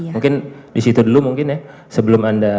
mungkin di situ dulu sebelum anda